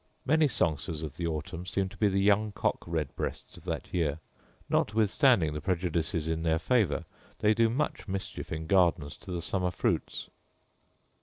Many songsters of the autumn seem to be the young cock red breasts of that year: notwithstanding the prejudices in their favour, they do much mischief in gardens to the summer fruits.